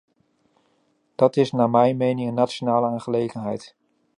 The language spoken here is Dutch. Dat is naar mijn mening een nationale aangelegenheid.